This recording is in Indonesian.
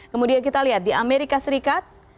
kemudian kita lihat di amerika serikat